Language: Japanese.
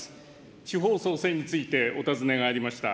地方創生についてお尋ねがありました。